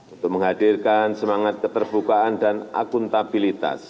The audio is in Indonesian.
untuk menghadirkan semangat ketatangan saya berterus terima oleh tuan presiden pak wissam